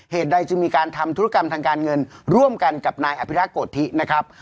เหตุใดจึงมีการทำธุรกรรมทางการเงินร่วมกันกับนายอภิรักษ์โกธินะครับ